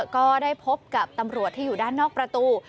ก็ได้พบกับตำรวจที่อยู่ด้านนอกประตู